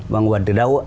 và nguồn từ đâu